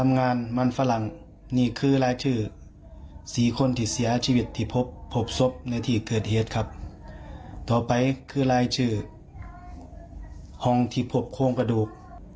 ในที่เกิดเหตุครับต่อไปคือรายชื่อหองที่พบโค้งกระดูก